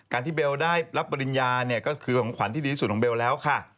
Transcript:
ที่เบลได้รับปริญญาเนี่ยก็คือของขวัญที่ดีที่สุดของเบลแล้วค่ะ